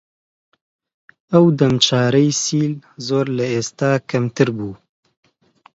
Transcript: ئەو دەم چارەی سیل زۆر لە ئێستا کەمتر بوو